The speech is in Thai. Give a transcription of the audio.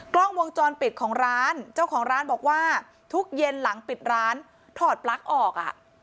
กล้องวงจรปิดของร้านเจ้าของร้านบอกว่าทุกเย็นหลังปิดร้านถอดปลั๊กออกอ่ะ